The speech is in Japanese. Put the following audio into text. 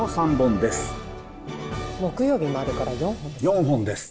４本です。